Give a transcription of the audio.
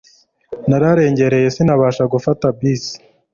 Nararengereye sinabasha gufata bisi